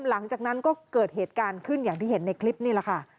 หลังจากนั้นก็เกิดเหตุการณ์ขึ้นอย่างที่เห็นในคลิปนี่แหละค่ะ